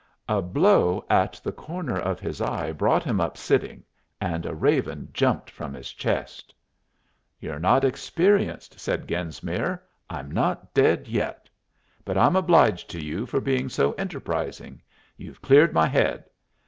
A blow at the corner of his eye brought him up sitting, and a raven jumped from his chest. "You're not experienced," said Genesmere. "I'm not dead yet. But I'm obliged to you for being so enterprising. You've cleared my head.